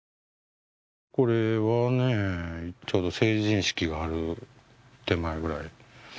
これはね、ちょうど成人式がある手前ぐらい。